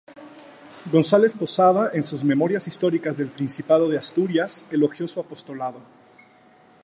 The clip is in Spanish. González Posada, en sus "Memorias históricas del Principado de Asturias" elogió su apostolado.